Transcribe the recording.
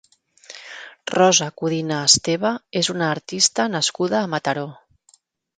Rosa Codina Esteve és una artista nascuda a Mataró.